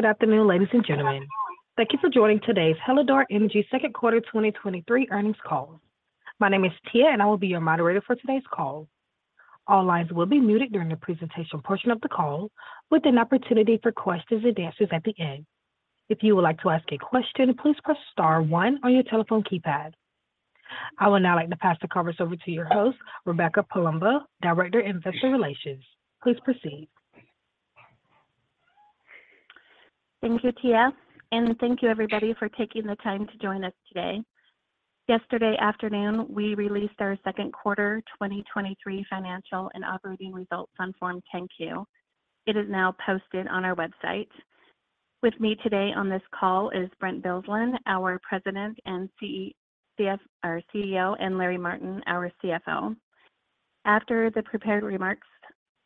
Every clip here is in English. Good afternoon, ladies and gentlemen. Thank you for joining today's Hallador Energy Second Quarter 2023 Earnings Call. My name is Tia, and I will be your moderator for today's call. All lines will be muted during the presentation portion of the call, with an opportunity for questions and answers at the end. If you would like to ask a question, please press star one on your telephone keypad. I would now like to pass the conference over to your host, Rebecca Palumbo, Director, Investor Relations. Please proceed. Thank you, Tia. Thank you everybody for taking the time to join us today. Yesterday afternoon, we released our second quarter 2023 financial and operating results on Form 10-Q. It is now posted on our website. With me today on this call is Brent Bilsland, our President and CEO, and Larry Martin, our CFO. After the prepared remarks,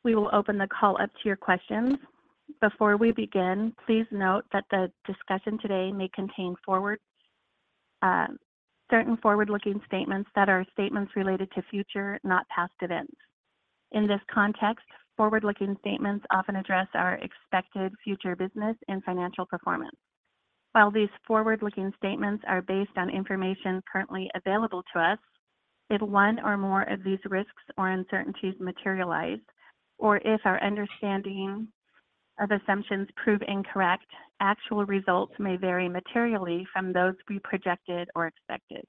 we will open the call up to your questions. Before we begin, please note that the discussion today may contain forward certain forward-looking statements that are statements related to future, not past events. In this context, forward-looking statements often address our expected future business and financial performance. While these forward-looking statements are based on information currently available to us, if one or more of these risks or uncertainties materialize, or if our understanding of assumptions prove incorrect, actual results may vary materially from those we projected or expected.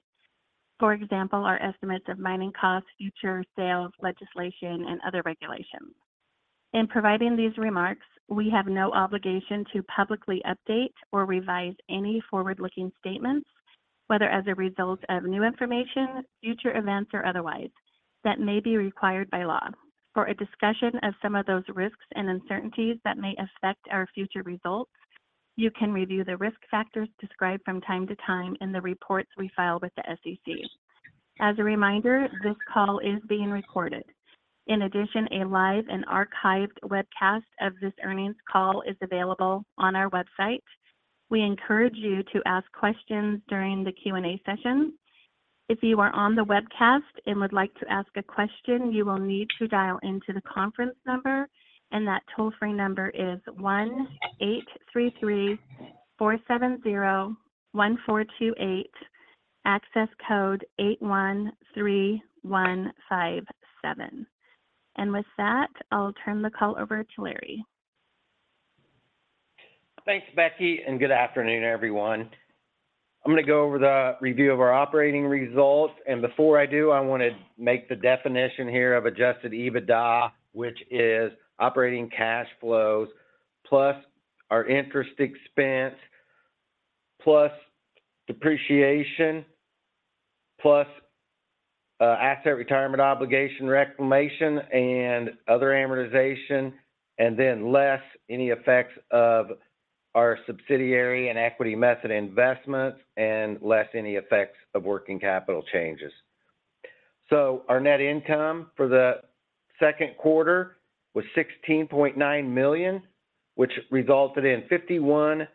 For example, our estimates of mining costs, future sales, legislation, and other regulations. In providing these remarks, we have no obligation to publicly update or revise any forward-looking statements, whether as a result of new information, future events, or otherwise, that may be required by law. For a discussion of some of those risks and uncertainties that may affect our future results, you can review the risk factors described from time to time in the reports we file with the SEC. As a reminder, this call is being recorded. In addition, a live and archived webcast of this earnings call is available on our website. We encourage you to ask questions during the Q&A session. If you are on the webcast and would like to ask a question, you will need to dial into the conference number, and that toll-free number is 1-833-470-1428, access code 813157. With that, I'll turn the call over to Larry. Thanks, Becky. Good afternoon, everyone. I'm gonna go over the review of our operating results. Before I do, I want to make the definition here of adjusted EBITDA, which is operating cash flows, plus our interest expense, plus depreciation, plus asset retirement obligation reclamation, other amortization, then less any effects of our subsidiary and equity method investments, less any effects of working capital changes. Our net income for the second quarter was $16.9 million, which resulted in $0.51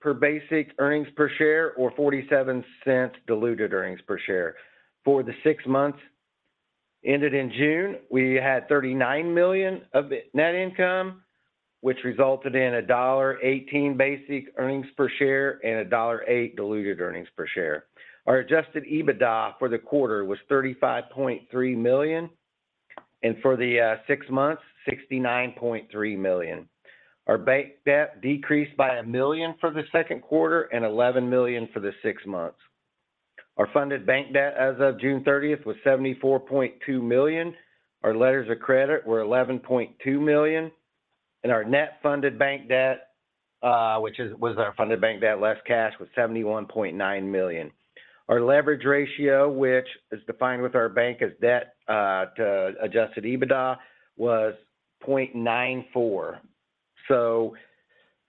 per basic earnings per share or $0.47 diluted earnings per share. For the six months ended in June, we had $39 million of net income, which resulted in $1.18 basic earnings per share and $1.08 diluted earnings per share. Our adjusted EBITDA for the quarter was $35.3 million, and for the six months, $69.3 million. Our bank debt decreased by $1 million for the second quarter and $11 million for the six months. Our funded bank debt as of June 30th was $74.2 million. Our letters of credit were $11.2 million, and our net funded bank debt, which was our funded bank debt less cash, was $71.9 million. Our leverage ratio, which is defined with our bank as debt to adjusted EBITDA, was 0.94x.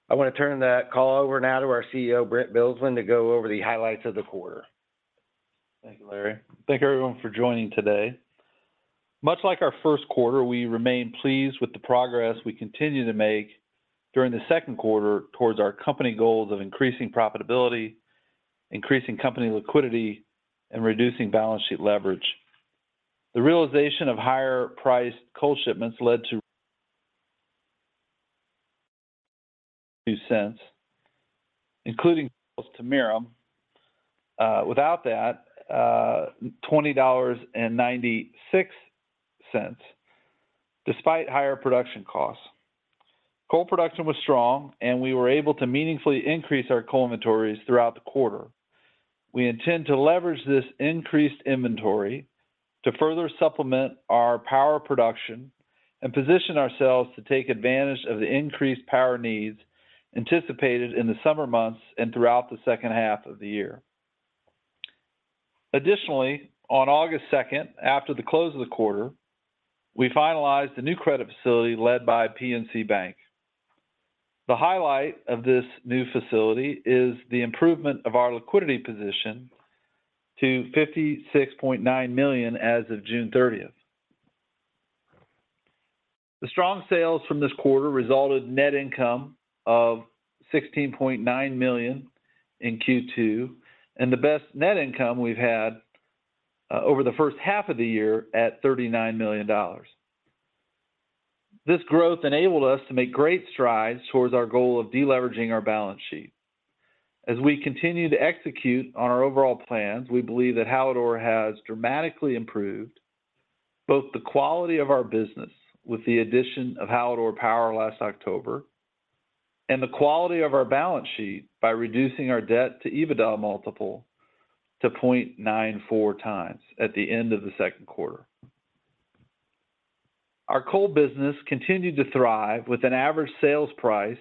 I want to turn that call over now to our CEO, Brent Bilsland, to go over the highlights of the quarter. Thank you, Larry. Thank you, everyone, for joining today. Much like our first quarter, we remain pleased with the progress we continue to make during the second quarter towards our company goals of increasing profitability, increasing company liquidity, and reducing balance sheet leverage. The realization of higher priced coal shipments led to cents, including to Merom. without that, $20.96, despite higher production costs. Coal production was strong, we were able to meaningfully increase our coal inventories throughout the quarter. We intend to leverage this increased inventory to further supplement our power production and position ourselves to take advantage of the increased power needs anticipated in the summer months and throughout the second half of the year. Additionally, on August second, after the close of the quarter, we finalized a new credit facility led by PNC Bank. The highlight of this new facility is the improvement of our liquidity position to $56.9 million as of June 30th. The strong sales from this quarter resulted in net income of $16.9 million in Q2, and the best net income we've had over the first half of the year at $39 million. This growth enabled us to make great strides towards our goal of deleveraging our balance sheet. As we continue to execute on our overall plans, we believe that Hallador has dramatically improved both the quality of our business, with the addition of Hallador Power last October, and the quality of our balance sheet by reducing our debt to EBITDA multiple to 0.94x at the end of the second quarter. Our coal business continued to thrive with an average sales price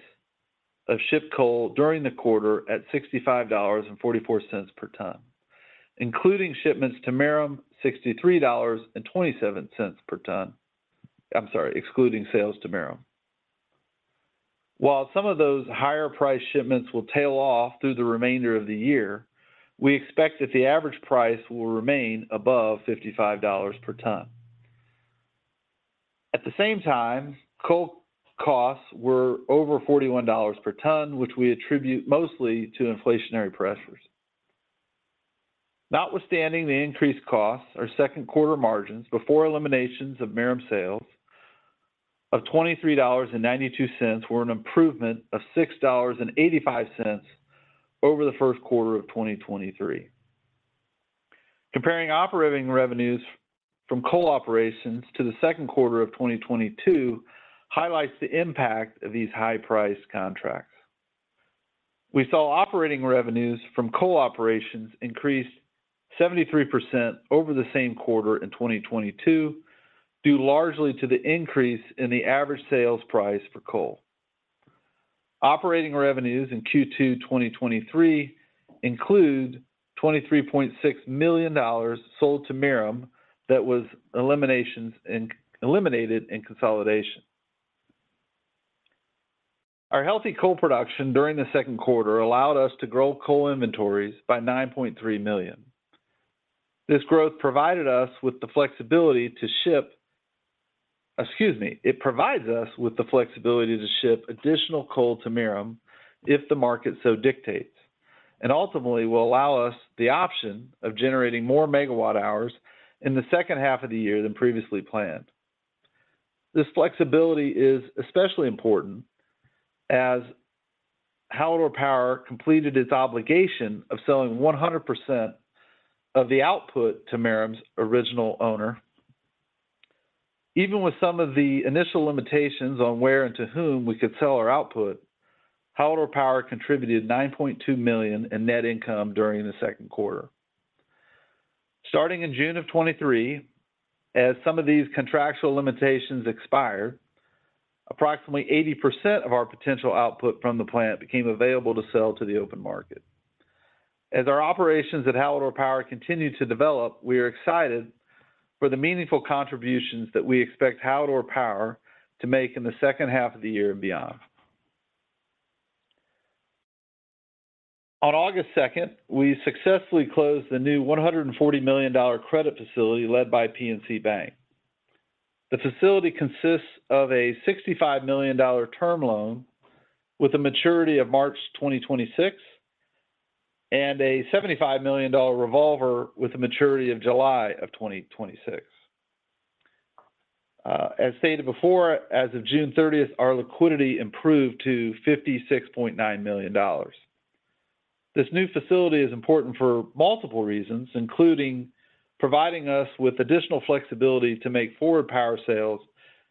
of shipped coal during the quarter at $65.44 per ton, including shipments to Merom, $63.27 per ton. I'm sorry, excluding sales to Merom. While some of those higher price shipments will tail off through the remainder of the year, we expect that the average price will remain above $55 per ton. At the same time, coal costs were over $41 per ton, which we attribute mostly to inflationary pressures. Notwithstanding the increased costs, our second quarter margins, before eliminations of Merom sales of $23.92, were an improvement of $6.85 over the first quarter of 2023. Comparing operating revenues from coal operations to the second quarter of 2022 highlights the impact of these high-priced contracts. We saw operating revenues from coal operations increase 73% over the same quarter in 2022, due largely to the increase in the average sales price for coal. Operating revenues in Q2, 2023 include $23.6 million sold to Merom that was eliminated in consolidation. Our healthy coal production during the second quarter allowed us to grow coal inventories by $9.3 million. This growth provided us with the flexibility to ship. Excuse me. It provides us with the flexibility to ship additional coal to Merom if the market so dictates, and ultimately will allow us the option of generating more megawatt hours in the second half of the year than previously planned. This flexibility is especially important as Hallador Power completed its obligation of selling 100% of the output to Merom's original owner. Even with some of the initial limitations on where and to whom we could sell our output, Hallador Power contributed $9.2 million in net income during the second quarter. Starting in June 2023, as some of these contractual limitations expired, approximately 80% of our potential output from the plant became available to sell to the open market. As our operations at Hallador Power continue to develop, we are excited for the meaningful contributions that we expect Hallador Power to make in the second half of the year and beyond. On August second, we successfully closed the new $140 million credit facility led by PNC Bank. The facility consists of a $65 million term loan with a maturity of March 2026, and a $75 million revolver with a maturity of July 2026. As stated before, as of June 30th, our liquidity improved to $56.9 million. This new facility is important for multiple reasons, including providing us with additional flexibility to make forward power sales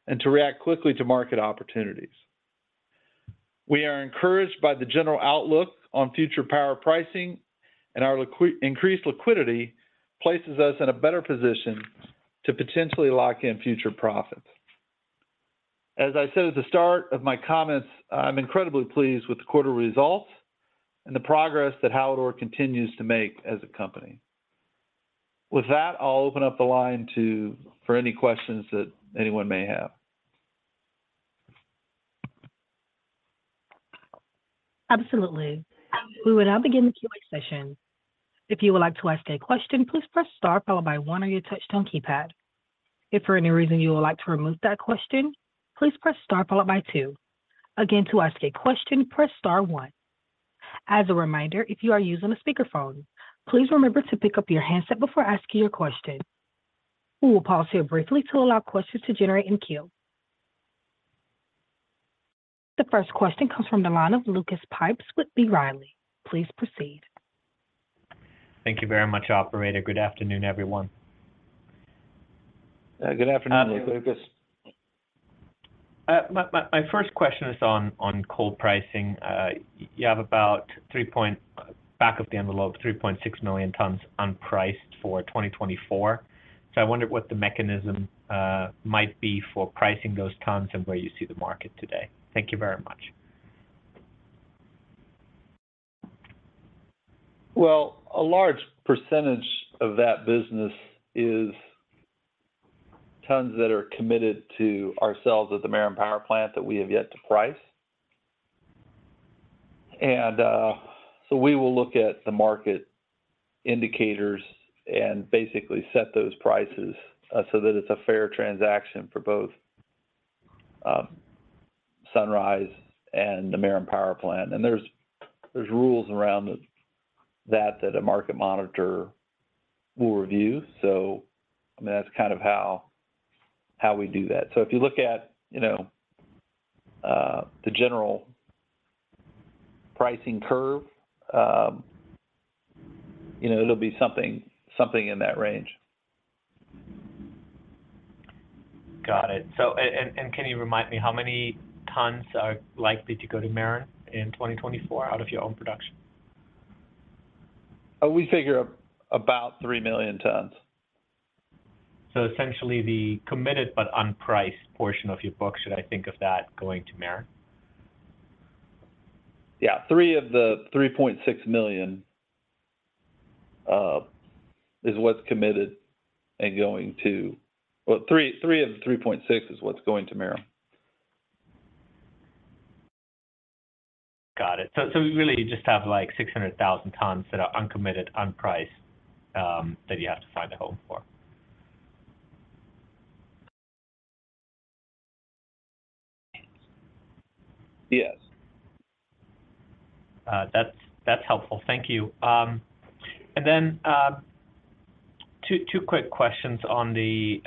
and to react quickly to market opportunities. We are encouraged by the general outlook on future power pricing, and our increased liquidity places us in a better position to potentially lock in future profits. As I said at the start of my comments, I'm incredibly pleased with the quarter results and the progress that Hallador continues to make as a company. With that, I'll open up the line for any questions that anyone may have. Absolutely. We will now begin the Q&A session. If you would like to ask a question, please press star followed by one on your touch-tone keypad. If for any reason you would like to remove that question, please press star followed by two. Again, to ask a question, press star one. As a reminder, if you are using a speakerphone, please remember to pick up your handset before asking your question. We will pause here briefly to allow questions to generate in queue. The first question comes from the line of Lucas Pipes with B. Riley. Please proceed. Thank you very much, operator. Good afternoon, everyone. Good afternoon, Lucas. My, my, my first question is on, on coal pricing. You have about 3.6 million tons unpriced for 2024. I wonder what the mechanism might be for pricing those tons and where you see the market today. Thank you very much. Well, a large percentage of that business is tons that are committed to ourselves at the Merom Power Plant that we have yet to price. So we will look at the market indicators and basically set those prices so that it's a fair transaction for both, Sunrise and the Merom Power Plant. There's, there's rules around that, that a market monitor will review. I mean, that's kind of how, how we do that. If you look at, you know, the general pricing curve, you know, it'll be something, something in that range. Got it. And can you remind me how many tons are likely to go to Merom in 2024 out of your own production? We figure about 3 million tons. Essentially the committed but unpriced portion of your book, should I think of that going to Merom? Yeah. $3 million of the $3.6 million is what's committed and well, $3 million of the $3.6 million is what's going to Merom. Got it. You really just have, like, 600,000 tons that are uncommitted, unpriced, that you have to find a home for? Yes. That's, that's helpful. Thank you. Two, two quick questions on the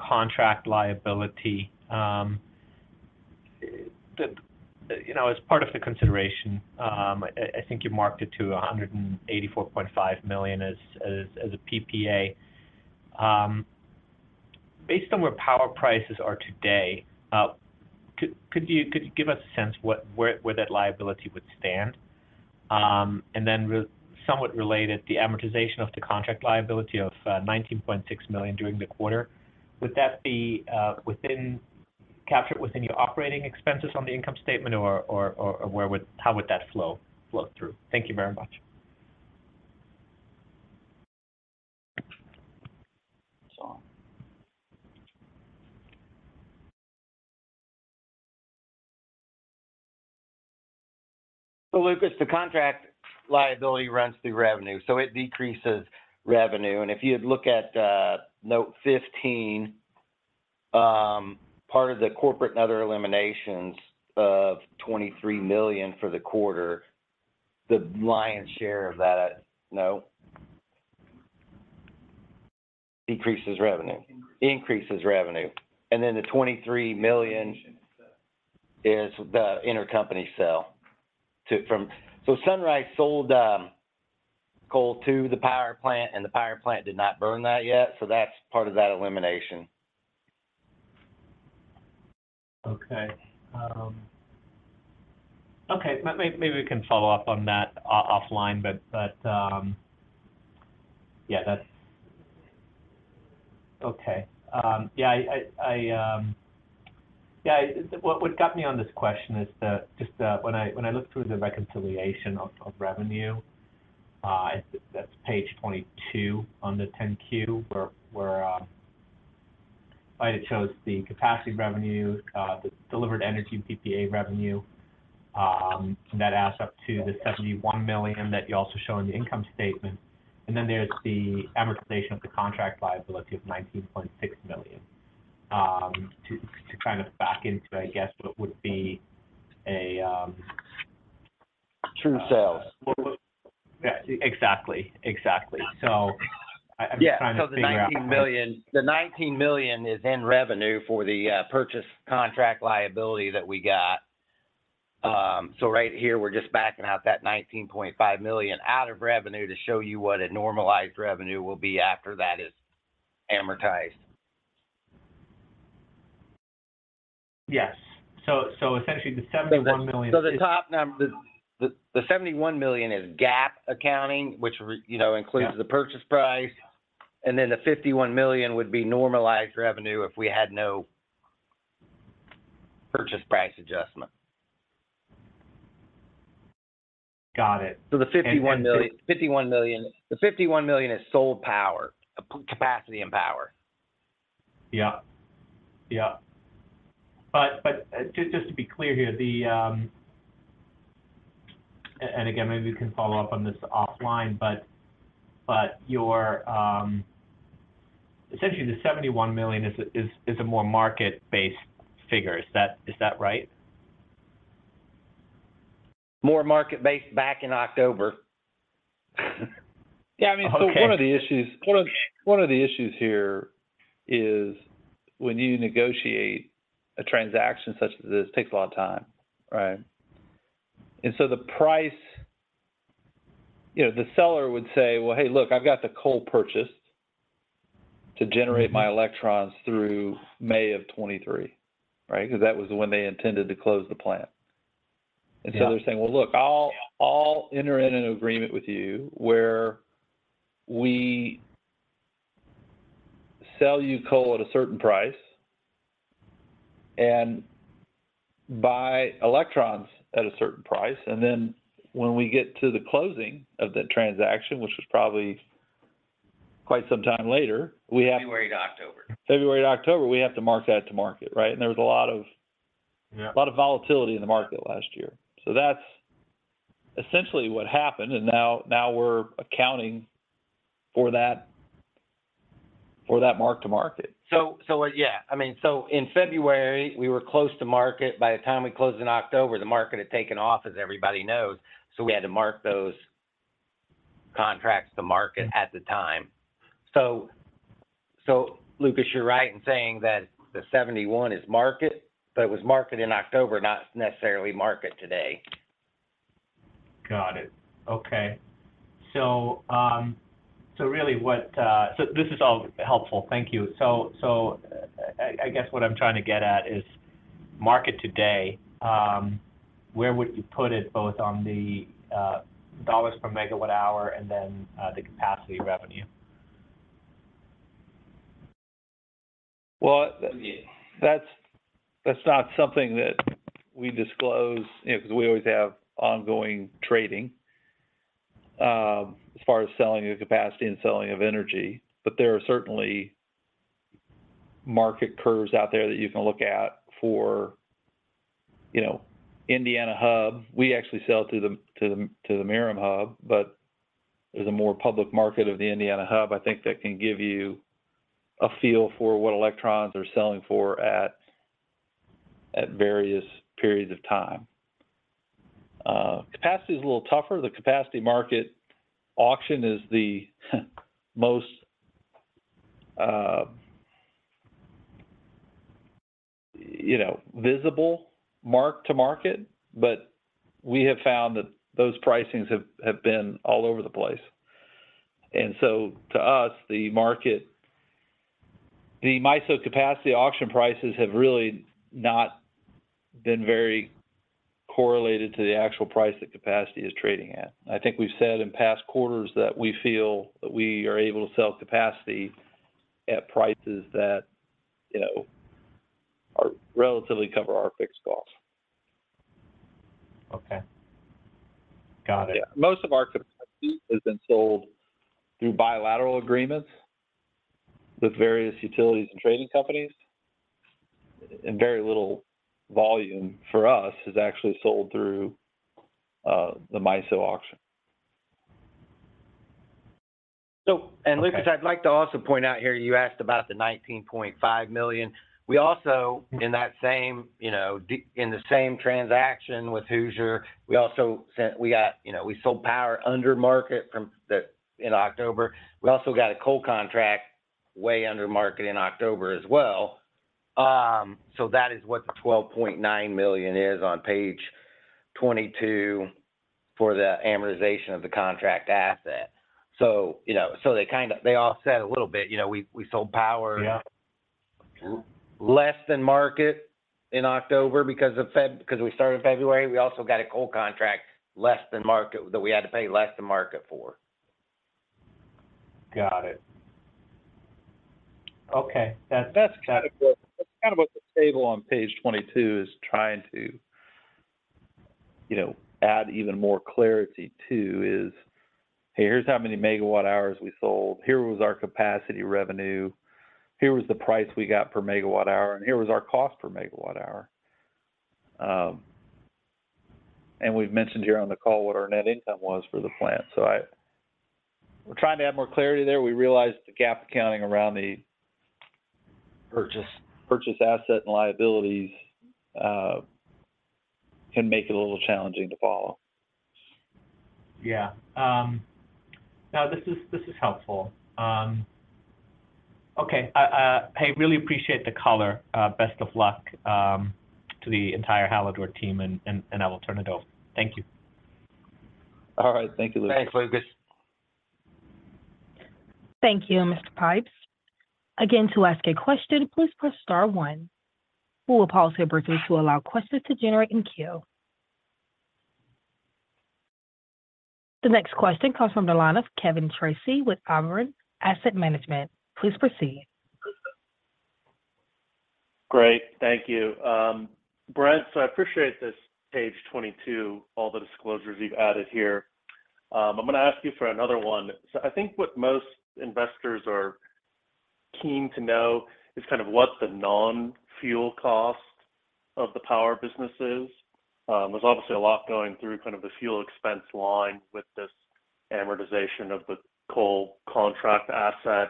contract liability. The, you know, as part of the consideration, I, I think you marked it to $184.5 million as, as, as a PPA. Based on where power prices are today, could, could you, could you give us a sense what- where, where that liability would stand? Re- somewhat related, the amortization of the contract liability of, $19.6 million during the quarter, would that be, within, captured within your operating expenses on the income statement? Or, or, or, where would, how would that flow, flow through? Thank you very much. Lucas, the contract liability runs through revenue, so it decreases revenue. If you'd look at, Note 15, part of the corporate and other eliminations of $23 million for the quarter, the lion's share of that note decreases revenue. Increases. Increases revenue. Then the $23 million. is the intercompany sale to, from. So Sunrise sold coal to the power plant, and the power plant did not burn that yet, so that's part of that elimination. Okay. Okay. Maybe we can follow up on that offline, but, but, yeah, that's. Okay. Yeah, I, I, I, yeah, what, what got me on this question is the, just that when I, when I looked through the reconciliation of, of revenue, I think that's page 22 on the 10-Q, where, where, it shows the capacity revenue, the delivered energy PPA revenue, and that adds up to the $71 million that you also show in the income statement. Then there's the amortization of the contract liability of $19.6 million, to, to kind of back into, I guess, what would be a, True sales. Yeah. Exactly. Exactly. Yeah. I'm just trying to figure out. Yeah, so the $19 million, the $19 million is in revenue for the purchase contract liability that we got. Right here, we're just backing out that $19.5 million out of revenue to show you what a normalized revenue will be after that is amortized. Yes. essentially the $71 million. The top number, the $71 million is GAAP accounting, which you know. Yeah Includes the purchase price, and then the $51 million would be normalized revenue if we had no purchase price adjustment. Got it. the $51 million. And the? $51 million, the $51 million is sold power, capacity and power. Yeah. Yeah, but, but just, just to be clear here, the and again, maybe we can follow up on this offline, but, but your, essentially, the $71 million is a, is, is a more market-based figure. Is that, is that right? More market-based back in October. Yeah, I mean. Okay One of the issues, one of, one of the issues here is when you negotiate a transaction such as this, it takes a lot of time, right? The price, you know, the seller would say, "Well, hey, look, I've got the coal purchased to generate. Mm-hmm My electrons through May of 2023," right? Because that was when they intended to close the plant. Yeah. They're saying: Well, look, I'll, I'll enter in an agreement with you where we sell you coal at a certain price and buy electrons at a certain price. Then when we get to the closing of the transaction, which was probably quite some time later, we have to. February to October. February to October, we have to mark that to market, right? There was a lot of. Yeah A lot of volatility in the market last year. That's essentially what happened, and now, now we're accounting for that, for that mark to market. In February, we were close to market. By the time we closed in October, the market had taken off, as everybody knows, so we had to mark those contracts to market at the time. Lucas, you're right in saying that the $71 million is market, but it was market in October, not necessarily market today. Got it. Okay. This is all helpful. Thank you. so, I, I guess what I'm trying to get at is market today, where would you put it both on the dollars per megawatt hour and then the capacity revenue? Well, that's, that's not something that we disclose because we always have ongoing trading, as far as selling the capacity and selling of energy. There are certainly market curves out there that you can look at for, you know, Indiana Hub. We actually sell to the, to the, to the Merom Hub, but there's a more public market of the Indiana Hub, I think, that can give you a feel for what electrons are selling for at, at various periods of time. Capacity is a little tougher. The capacity market auction is the most, you know, visible mark to market, but we have found that those pricings have, have been all over the place. To us, the MISO capacity auction prices have really not been very correlated to the actual price that capacity is trading at. I think we've said in past quarters that we feel that we are able to sell capacity at prices that, you know, relatively cover our fixed costs. Okay. Got it. Yeah. Most of our capacity has been sold through bilateral agreements with various utilities and trading companies, and very little volume, for us, is actually sold through the MISO auction. And Lucas, I'd like to also point out here, you asked about the $19.5 million. We also, in that same, you know, in the same transaction with Hoosier, we also we got, you know, we sold power under market from the, in October. We also got a coal contract way under market in October as well. That is what the $12.9 million is on page 22 for the amortization of the contract asset. You know, so they kind of they offset a little bit. You know, we, we sold power. Yeah Less than market in October because of because we started in February. We also got a coal contract less than market, that we had to pay less than market for. Got it. Okay. That, that's kind of what, that's kind of what the table on page 22 is trying to, you know, add even more clarity to, is: Here's how many megawatt hours we sold, here was our capacity revenue, here was the price we got per megawatt hour, and here was our cost per megawatt hour. We've mentioned here on the call what our net income was for the plant. We're trying to add more clarity there. We realized the GAAP accounting around the. Purchase Purchase, asset, and liabilities, can make it a little challenging to follow. Yeah. Now, this is, this is helpful. Okay. I really appreciate the color. Best of luck to the entire Hallador team, and, and, and I will turn it over. Thank you. All right. Thank you, Lucas. Thanks, Lucas. Thank you, Mr. Pipes. Again, to ask a question, please press star one. We will pause here briefly to allow questions to generate in queue. The next question comes from the line of Kevin Tracey with Oberon Asset Management. Please proceed. Great. Thank you. Brent, I appreciate this page 22, all the disclosures you've added here. I'm gonna ask you for another one. I think what most investors are keen to know is kind of what the non-fuel cost of the power business is. There's obviously a lot going through kind of the fuel expense line with this amortization of the coal contract asset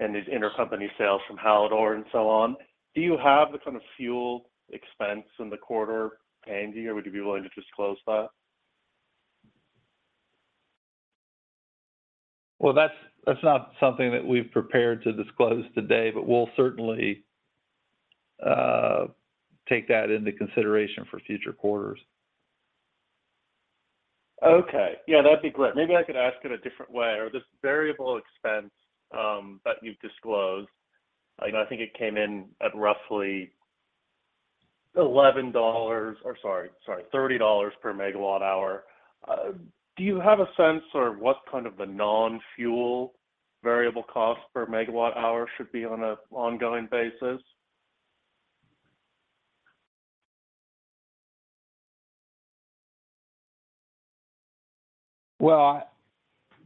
and these intercompany sales from Hallador and so on. Do you have the kind of fuel expense in the quarter handy, or would you be willing to disclose that? That's, that's not something that we've prepared to disclose today, but we'll certainly take that into consideration for future quarters. Okay. Yeah, that'd be great. Maybe I could ask it a different way, or this variable expense, that you've disclosed, and I think it came in at roughly $11, or sorry, sorry, $30 per megawatt hour. Do you have a sense of what kind of the non-fuel variable cost per megawatt hour should be on an ongoing basis? Well, I,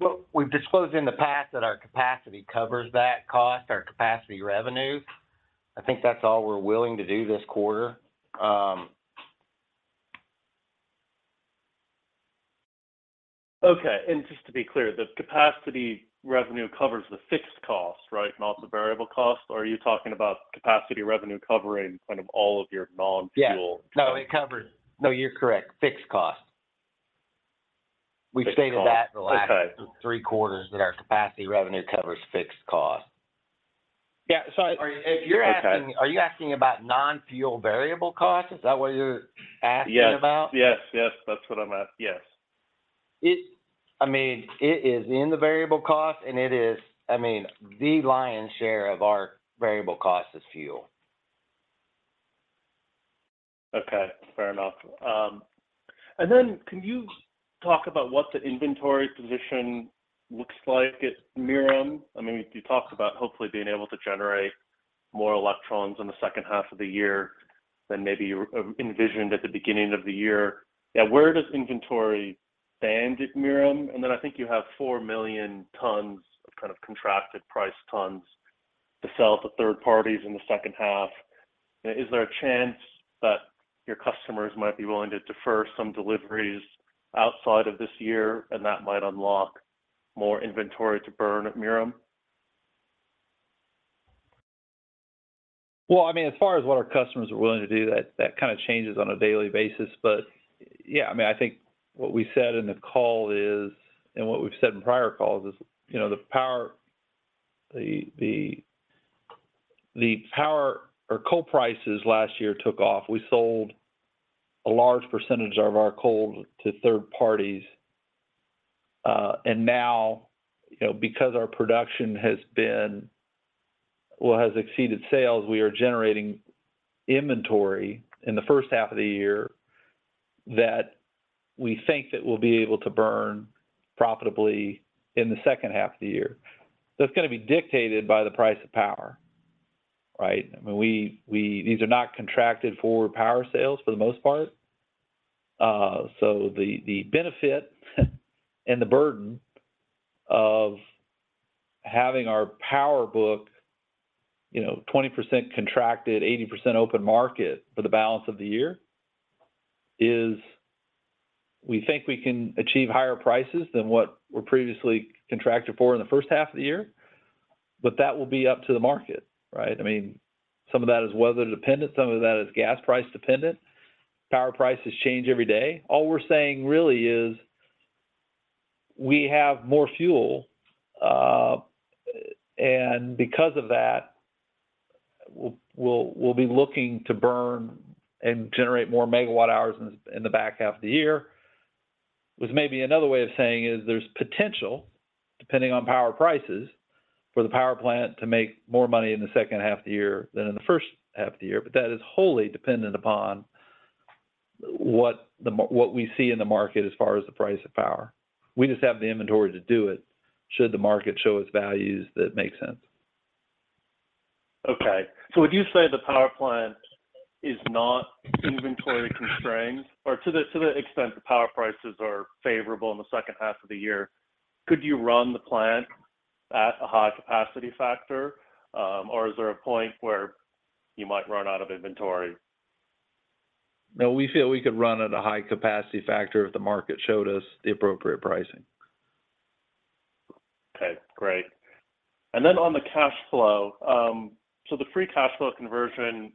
well, we've disclosed in the past that our capacity covers that cost, our capacity revenue. I think that's all we're willing to do this quarter. Okay, just to be clear, the capacity revenue covers the fixed cost, right? Not the variable cost. Or are you talking about capacity revenue covering kind of all of your non-fuel? Yeah. No, you're correct, fixed cost. Fixed cost. We've stated that for the last. Okay Three quarters, that our capacity revenue covers fixed cost. Yeah. are you. If you're asking. Okay. Are you asking about non-fuel variable cost? Is that what you're asking about? Yes, yes. Yes, that's what I'm asking. Yes. I mean, it is in the variable cost, and I mean, the lion's share of our variable cost is fuel. Okay, fair enough. Can you talk about what the inventory position looks like at Merom? I mean, you talked about hopefully being able to generate more electrons in the second half of the year than maybe you envisioned at the beginning of the year. Where does inventory stand at Merom? I think you have 4 million tons of kind of contracted price tons to sell to third parties in the second half. Is there a chance that your customers might be willing to defer some deliveries outside of this year, and that might unlock more inventory to burn at Merom? Well, I mean, as far as what our customers are willing to do, that, that kind of changes on a daily basis. Yeah, I mean, I think what we said in the call is, what we've said in prior calls is, you know, the power, the, the, the power or coal prices last year took off. We sold a large percentage of our coal to third parties. Now, you know, because our production has been, well, has exceeded sales, we are generating inventory in the first half of the year that we think that we'll be able to burn profitably in the second half of the year. That's gonna be dictated by the price of power, right? I mean, we, we, these are not contracted forward power sales for the most part. The, the benefit and the burden of having our power book, you know, 20% contracted, 80% open market for the balance of the year, is we think we can achieve higher prices than what we're previously contracted for in the first half of the year, but that will be up to the market, right? I mean, some of that is weather dependent, some of that is gas price dependent. Power prices change every day. All we're saying really is, we have more fuel, and because of that, we'll, we'll, we'll be looking to burn and generate more megawatt hours in, in the back half of the year. Which maybe another way of saying is there's potential, depending on power prices, for the power plant to make more money in the second half of the year than in the first half of the year, but that is wholly dependent upon what we see in the market as far as the price of power. We just have the inventory to do it, should the market show us values that make sense. Would you say the power plant is not inventory constrained? To the, to the extent the power prices are favorable in the second half of the year, could you run the plant at a high capacity factor? Is there a point where you might run out of inventory? No, we feel we could run at a high capacity factor if the market showed us the appropriate pricing. Okay, great. On the cash flow, the free cash flow conversion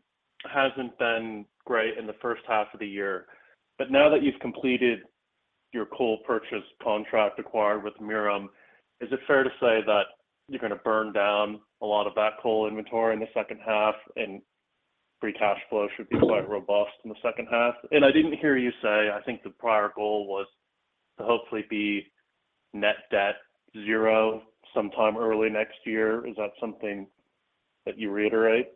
hasn't been great in the first half of the year. Now that you've completed your coal purchase contract acquired with Merom, is it fair to say that you're gonna burn down a lot of that coal inventory in the second half, and free cash flow should be quite robust in the second half? I didn't hear you say, I think the prior goal was to hopefully be net debt zero sometime early next year. Is that something that you reiterate?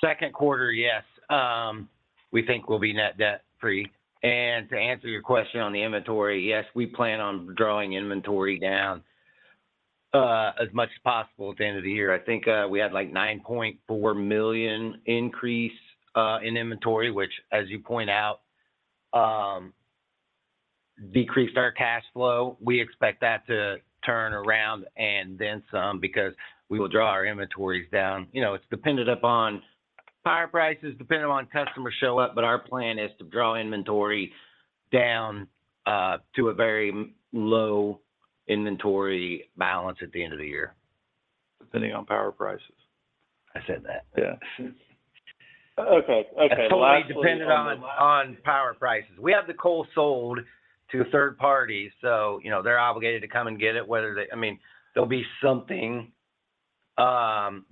Second quarter, yes, we think we'll be net debt free. To answer your question on the inventory, yes, we plan on drawing inventory down as much as possible at the end of the year. I think we had, like, $9.4 million increase in inventory, which, as you point out, decreased our cash flow. We expect that to turn around and then some, because we will draw our inventories down. You know, it's dependent upon power prices, dependent on customer show up, but our plan is to draw inventory down to a very low inventory balance at the end of the year. Depending on power prices. I said that. Yeah. Okay, okay. Lastly. It's totally dependent on the, on power prices. We have the coal sold to third parties, so, you know, they're obligated to come and get it, whether they. I mean, there'll be something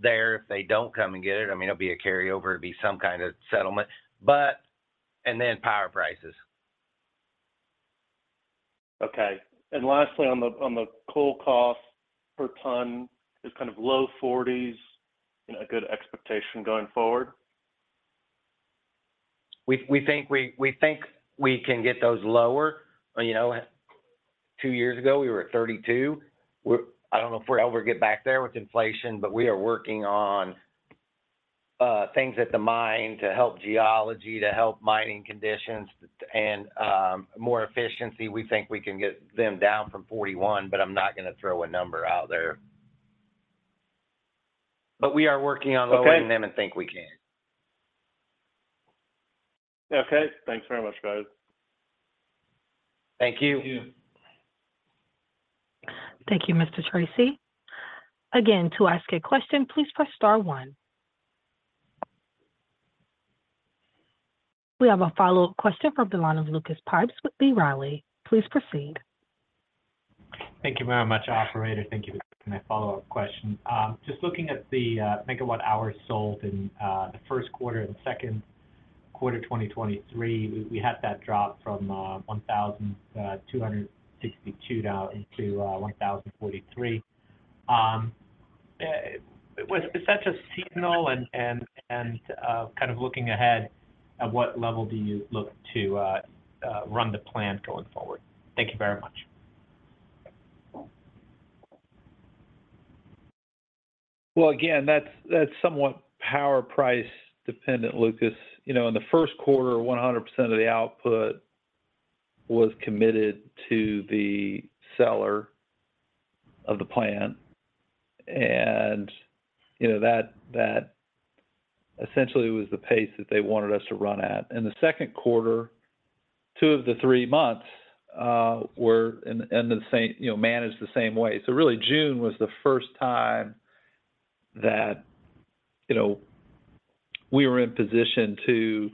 there if they don't come and get it. I mean, it'll be a carryover, it'll be some kind of settlement. Then power prices. Okay. Lastly, on the, on the coal cost per ton is kind of low forties, and a good expectation going forward? We, we think we, we think we can get those lower. You know, two years ago, we were at 32%. We're I don't know if we'll ever get back there with inflation, but we are working on things at the mine to help geology, to help mining conditions, and more efficiency. We think we can get them down from 41%, but I'm not gonna throw a number out there. We are working on. Okay lowering them and think we can. Okay. Thanks very much, guys. Thank you. Thank you. Thank you, Mr. Tracey. Again, to ask a question, please press star one. We have a follow-up question from line of Lucas Pipes with B. Riley. Please proceed. Thank you very much, operator. Thank you. My follow-up question. Just looking at the megawatt hours sold in the first quarter and the second quarter, 2023, we, we had that drop from 1,262 now into 1,043. Is that just seasonal? Kind of looking ahead, at what level do you look to run the plant going forward? Thank you very much. Well, again, that's, that's somewhat power price dependent, Lucas. You know, in the first quarter, 100% of the output was committed to the seller of the plant, and, you know, that, that essentially was the pace that they wanted us to run at. In the second quarter, two of the three months were in, in the same. You know, managed the same way. Really, June was the first time that, you know, we were in position to,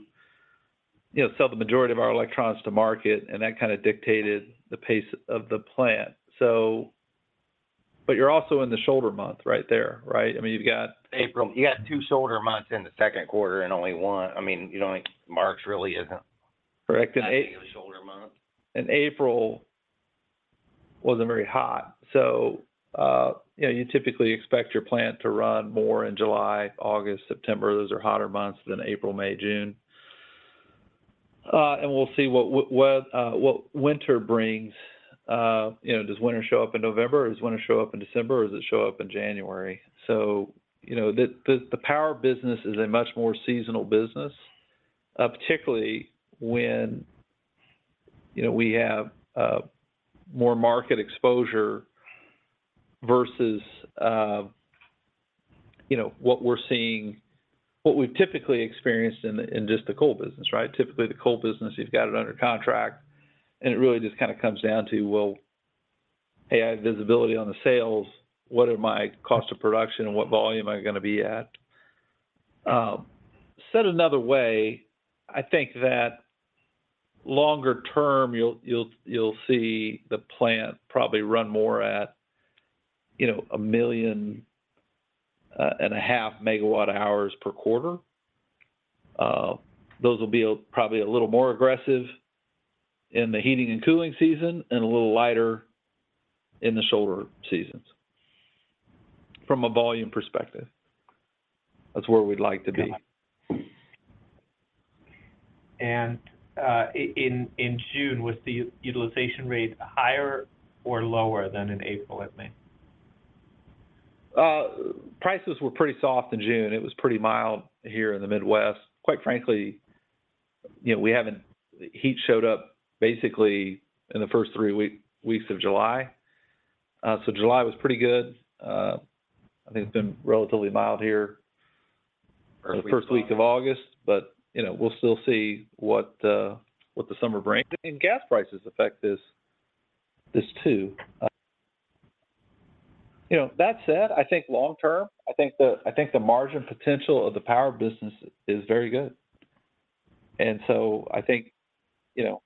you know, sell the majority of our electrons to market, and that kind of dictated the pace of the plant. You're also in the shoulder month right there, right? I mean, you've got. April. You had two shoulder months in the second quarter. Only one. I mean, you know, like, March really isn't- Correct. Not really a shoulder month. April wasn't very hot. You know, you typically expect your plant to run more in July, August, September. Those are hotter months than April, May, June. We'll see what, what, what winter brings. You know, does winter show up in November, or does winter show up in December, or does it show up in January? You know, the, the, the power business is a much more seasonal business, particularly when, you know, we have more market exposure versus, you know, what we've typically experienced in, in just the coal business, right? Typically, the coal business, you've got it under contract, and it really just kind of comes down to, well, hey, I have visibility on the sales. What are my cost of production, and what volume am I gonna be at? Said another way, I think that longer term, you'll, you'll, you'll see the plant probably run more at, you know, 1.5 million megawatt hours per quarter. Those will be probably a little more aggressive in the heating and cooling season and a little lighter in the shoulder seasons. From a volume perspective, that's where we'd like to be. In, in June, was the utilization rate higher or lower than in April, I think? Prices were pretty soft in June. It was pretty mild here in the Midwest. Quite frankly, you know, heat showed up basically in the first three weeks of July. July was pretty good. I think it's been relatively mild here. Early August For the first week of August, but, you know, we'll still see what, what the summer brings. gas prices affect this, this too. You know, that said, I think long term, I think the, I think the margin potential of the power business is very good. So I think, you know,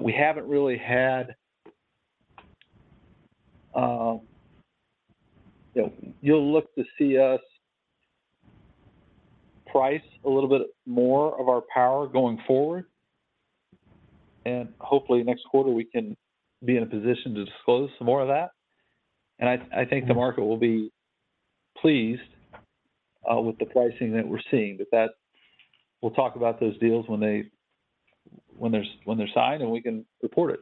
we haven't really had. You know, you'll look to see us price a little bit more of our power going forward, and hopefully next quarter we can be in a position to disclose some more of that. I, I think the market will be pleased with the pricing that we're seeing. We'll talk about those deals when they, when they're, when they're signed, and we can report it.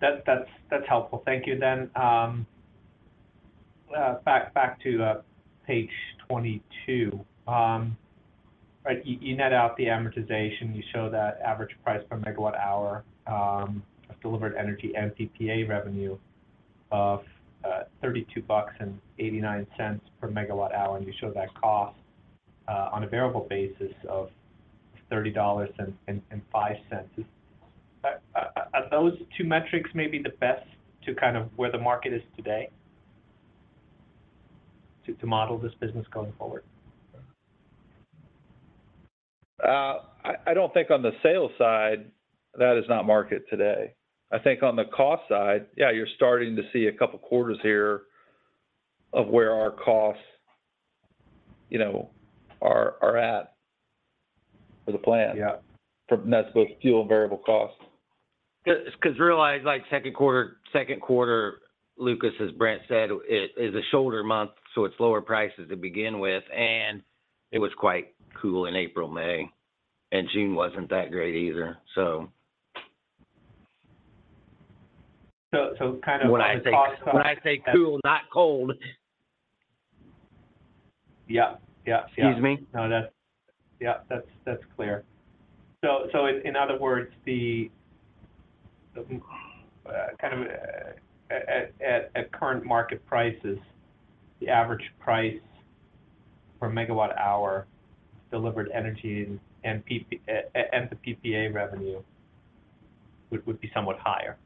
That, that's, that's helpful. Thank you. back, back to page 22. Right, you net out the amortization. You show that average price per megawatt hour of delivered energy and PPA revenue of $32.89 per megawatt hour, and you show that cost on a variable basis of $30.05. Are those two metrics may be the best to kind of where the market is today, to model this business going forward? I, I don't think on the sales side, that is not market today. I think on the cost side, yeah, you're starting to see a couple quarters here of where our costs, you know, are, are at for the plant. Yeah. That's both fuel and variable costs. Cause, cause realize, like, second quarter, second quarter, Lucas, as Brent said, it is a shoulder month, so it's lower prices to begin with, and it was quite cool in April, May, and June wasn't that great either, so. So, so kind of. When I say, when I say cool, not cold. Yeah. Yeah, yeah. Excuse me? No, that's, yeah, that's, that's clear. In, in other words, the, the, kind of, at, at, at current market prices, the average price for a megawatt hour delivered energy and PPA and the PPA revenue would, would be somewhat higher?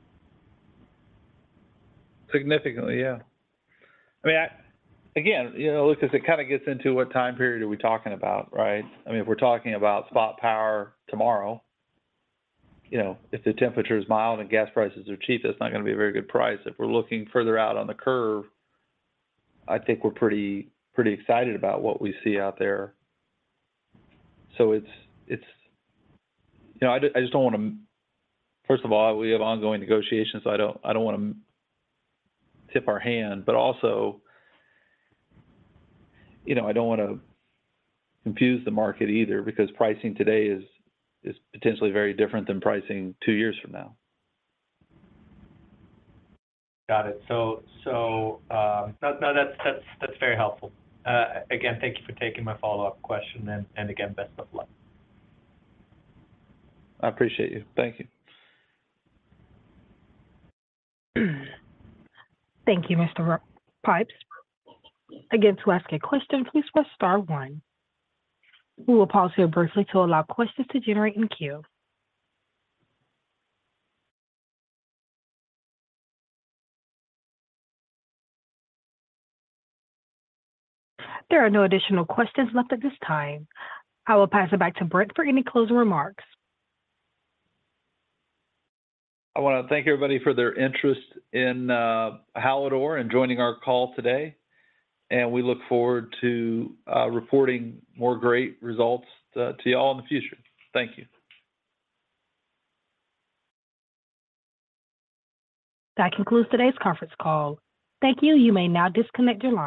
Significantly, yeah. I mean, I, again, you know, look, as it kind of gets into what time period are we talking about, right? I mean, if we're talking about spot power tomorrow, you know, if the temperature is mild and gas prices are cheap, that's not gonna be a very good price. If we're looking further out on the curve, I think we're pretty, pretty excited about what we see out there. It's, it's. You know, I just, I just don't want to. First of all, we have ongoing negotiations, so I don't, I don't want to tip our hand. Also, you know, I don't want to confuse the market either, because pricing today is, is potentially very different than pricing two years from now. Got it. so, no, no, that's, that's, that's very helpful. Again, thank you for taking my follow-up question, and, and again, best of luck. I appreciate you. Thank you. Thank you, Mr. Pipes. Again, to ask a question, please press star one. We will pause here briefly to allow questions to generate in queue. There are no additional questions left at this time. I will pass it back to Brent for any closing remarks. I want to thank everybody for their interest in Hallador and joining our call today. We look forward to reporting more great results to you all in the future. Thank you. That concludes today's conference call. Thank you. You may now disconnect your line.